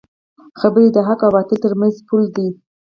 خبرې د حق او باطل ترمنځ پول دی